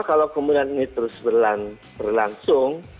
kalau kemudian ini terus berlangsung